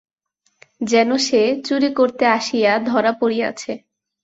যেন সে চুরি করিতে আসিয়া ধরা পড়িয়াছে।